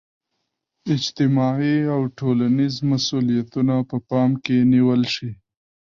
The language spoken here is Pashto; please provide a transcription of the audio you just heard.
اجتماعي او ټولنیز مسولیتونه په پام کې نیول شي.